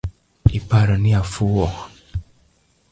Iparo ni afuwo?